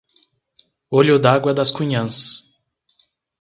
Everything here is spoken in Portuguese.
Olho d'Água das Cunhãs